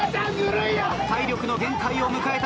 体力の限界を迎えたのか？